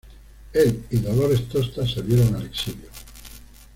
Él y Dolores Tosta salieron al exilio.